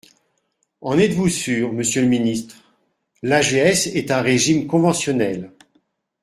En êtes-vous sûr, monsieur le ministre ? L’AGS est un régime conventionnel.